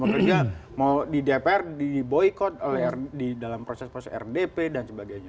mau kerja mau di dpr di boycott dalam proses proses rdp dan sebagainya